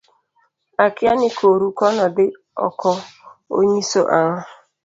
akia ni koru kono dhi oko onyiso ang'o